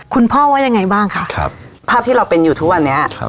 คุณพ่อว่ายังไงบ้างคะครับภาพที่เราเป็นอยู่ทุกวันนี้ครับ